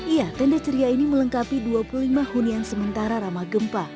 iya tenda ceria ini melengkapi dua puluh lima hunian sementara ramah gempa